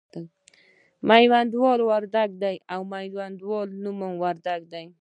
میوندوال ورک دی او د میوندوال نوم ورک دی.